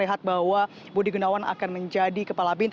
rehat bahwa budi genawan akan menjadi kepala bin